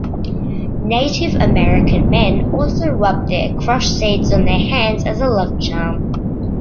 Native American men also rubbed crushed seeds on their hands as a love charm.